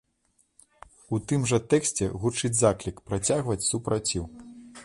У тым жа тэксце гучыць заклік працягваць супраціў.